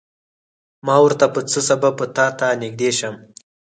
ما ورته په څه سبب به تاته نږدې شم.